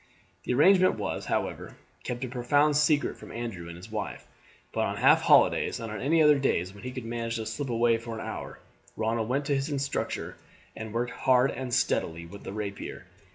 The arrangement was, however, kept a profound secret from Andrew and his wife; but on half holidays, and on any other days when he could manage to slip away for an hour, Ronald went to his instructor and worked hard and steadily with the rapier.